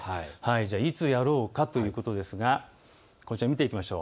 いつやろうかということですがこちらを見ていきましょう。